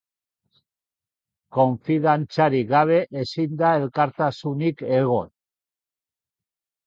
Konfidantzarik gabe ezin da elkartasunik egon.